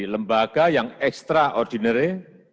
lembaga yang ekstraordinari